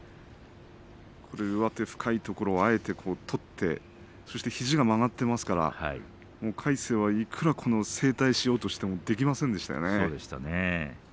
上手深いところをあえて取ってそして肘が曲がっていますから魁聖はいくら正対しようとしてもできませんでしたね。